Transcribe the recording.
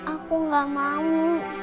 aku gak mau